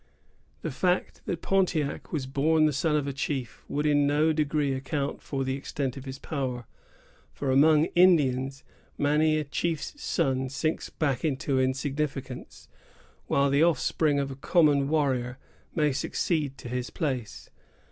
The fact that Pontiac was born the son of a chief would in no degree account for the extent of his power; for, among Indians, many a chief's son sinks back into insignificance, while the offspring of a common warrior may succeed to his place.